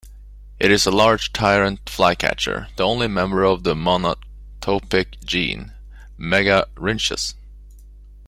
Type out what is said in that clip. It is a large tyrant flycatcher, the only member of the monotypic genus "Megarynchus".